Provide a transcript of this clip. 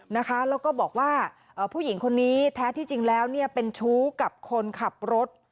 แล้วก็บอกว่าผู้หญิงคนนี้แท้ที่จริงแล้วเนี่ยเป็นชู้กับคนขับรถ